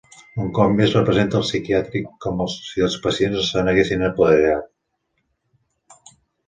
Un cop més representa el psiquiàtric com si els pacients se n'haguessin apoderat.